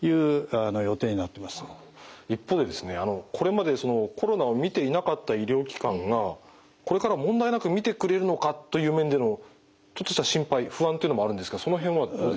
これまでコロナを診ていなかった医療機関がこれから問題なく診てくれるのかという面でのちょっとした心配不安っていうのもあるんですがその辺はどうでしょう？